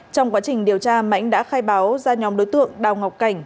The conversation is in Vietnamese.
trong quá trình điều tra mãnh đã khai báo ra nhóm đối tượng đào ngọc cảnh